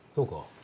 そうか。